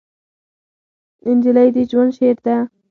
نجلۍ د ژوند شعر ده.